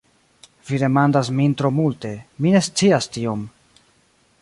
Vi demandas min tro multe; mi ne scias tiom.